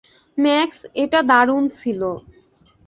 Max, এটা দারুণ ছিল।